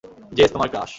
JS তোমার crush.